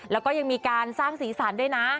แล้วก็ยังมีการสร้างสีสันด้วยนะ